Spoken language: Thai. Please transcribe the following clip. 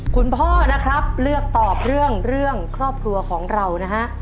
คุณพ่อนะครับเลือกตอบเรื่องเรื่องครอบครัวของเรานะฮะ